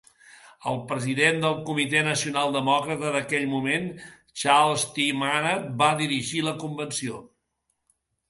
El president del Comitè Nacional Demòcrata d'aquell moment, Charles T. Manatt, va dirigir la convenció.